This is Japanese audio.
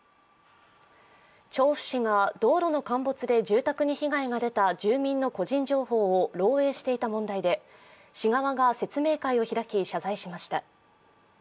調布市が道路の陥没で住宅に被害が出た住民の個人情報を漏えいしていた問題で市側が説明会を開き謝罪しました。